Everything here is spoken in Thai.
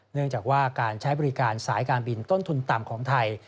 เนื่องจากว่าการใช้บริการสายการบินต้นทุนต่ำของไทย